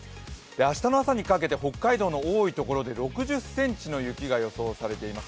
明日の朝にかけて北海道の多い所で６０ｃｍの雪が予想されています。